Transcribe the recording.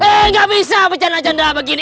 eh nggak bisa bercanda canda begini